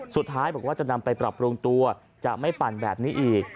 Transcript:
สุดท้ายบอกว่าจะนำไปปรับปรุงตัวจะไม่ปั่นแบบนี้อีก